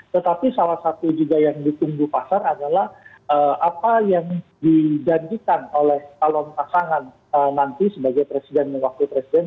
tetapi salah satu juga yang ditunggu pasar adalah apa yang dijanjikan oleh calon pasangan nanti sebagai presiden dan wakil presiden